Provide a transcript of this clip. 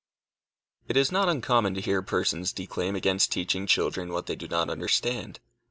It is not uncommon to hear persons declaim against teaching children what they do not understand.